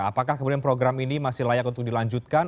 apakah kemudian program ini masih layak untuk dilanjutkan